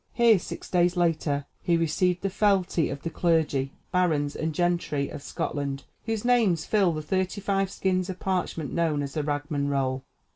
Here, six days later, he received the fealty of the clergy, barons, and gentry of Scotland, whose names fill the thirty five skins of parchment known as the "Ragman Roll."